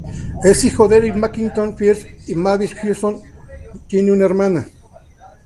Es hijo de Eric Macintosh Firth y Mavis Hudson; tiene una hermana.